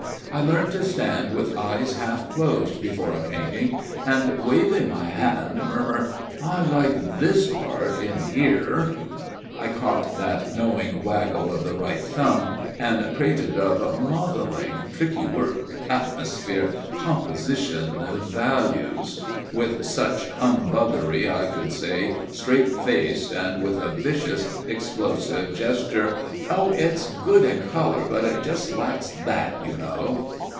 I learned to stand with eyes half closed before a painting, and waving my hand, murmur, "I like this part, in here!" I caught that knowing waggle of the right thumb, and prated of "modelling, tricky work, atmosphere, composition, values," and such humbuggery. I could say, straight faced, and with a vicious, explosive gesture, "Oh, it's good in colour, but it just lacks that, you know!"